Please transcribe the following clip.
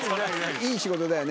いい仕事だよね。